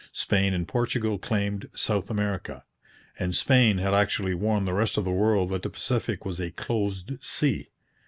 Spain and Portugal claimed South America; and Spain had actually warned the rest of the world that the Pacific was 'a closed sea.'